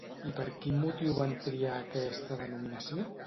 I per quin motiu van triar aquesta denominació?